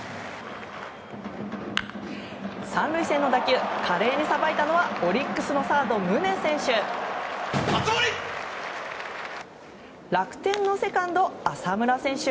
３塁線の打球華麗にさばいたのはオリックスのサード、宗選手。